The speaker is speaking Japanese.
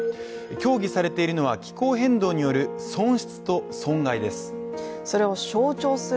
協議されているのは気候変動による損失と損害です。